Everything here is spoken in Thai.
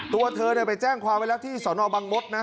ตัวเธอเนี่ยไปแจ้งความไวรักษณ์ที่สอนอบังมตรนะ